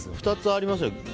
２つありますよね